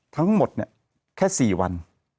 ทั้งหมดเนี่ยแค่๔วัน